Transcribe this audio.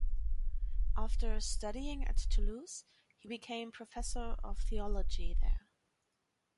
After studying at Toulouse, he became professor of theology there.